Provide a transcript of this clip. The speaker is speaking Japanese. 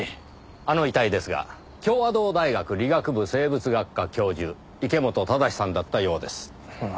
あの遺体ですが協和堂大学理学部生物学科教授池本正さんだったようです。